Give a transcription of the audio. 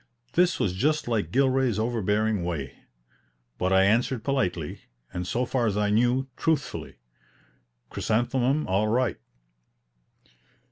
This was just like Gilray's overbearing way; but I answered politely, and so far as I knew, truthfully, "Chrysanthemum all right."